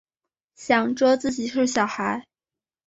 想着自己是小孩